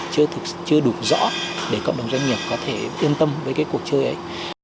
chưa đủ rõ để cộng đồng doanh nghiệp có thể yên tâm với cái cuộc chơi ấy